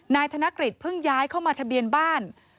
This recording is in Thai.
นายกฤษเพิ่งย้ายเข้ามาทะเบียนบ้าน